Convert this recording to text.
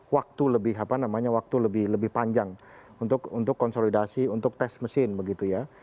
waktu lebih apa namanya waktu lebih panjang untuk konsolidasi untuk tes mesin begitu ya